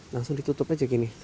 langsung ditutup aja gini